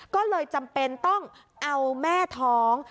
ก็เลยจำเป็นต้องเอาแม่ท้อง